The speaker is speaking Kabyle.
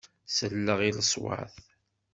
Selleɣ i leṣwat.